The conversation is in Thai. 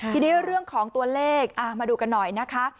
ทีนี้เรื่องของตัวเลขมาดูกันหน่อยนะคะ